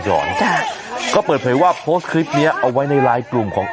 หอนจ้ะก็เปิดเผยว่าโพสต์คลิปเนี้ยเอาไว้ในไลน์กลุ่มของ